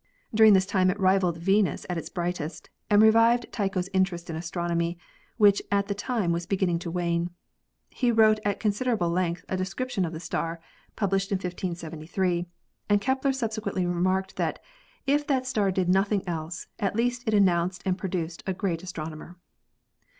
During this time it rivaled Venus at its brightest and revived Tycho's interest in astronomy, which at the time was beginning to wane. He wrote at consider able length a description of the star, published in 1573, and Kepler subsequently remarked that "if that star did noth ing else, at least it announced and produced a great as tronomer."